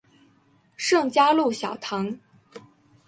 圣嘉禄小堂。